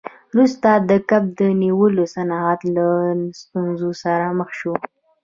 وروسته د کب نیولو صنعت له ستونزو سره مخ شو.